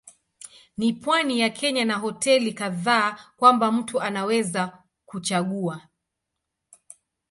Ni pwani ya Kenya na hoteli kadhaa kwamba mtu anaweza kuchagua.